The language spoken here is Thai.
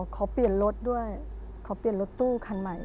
ขอเปลี่ยนรถด้วยขอเปลี่ยนรถตู้คันใหม่